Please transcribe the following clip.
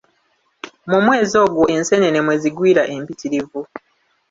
Mu mwezi ogwo enseenene mwezigwira empitirivu.